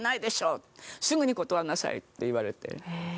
「すぐに断りなさい！」って言われて。